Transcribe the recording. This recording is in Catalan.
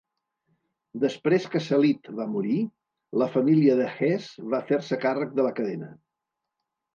Després que Salit va morir, la família de Hess va fer-se càrrec de la cadena.